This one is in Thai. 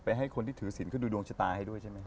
ให้คนที่ถือศิลปขึ้นดูดวงชะตาให้ด้วยใช่ไหม